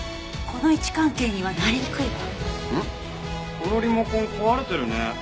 このリモコン壊れてるね。